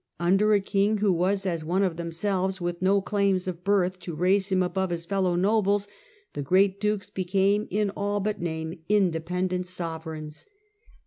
Under a king who was as one of themselves, with no claims of birth to raise him above his fellow nobles, the great dukes became in all but name independent sovereigns.